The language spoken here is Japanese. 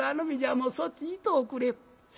もうそっち行っとおくれ」。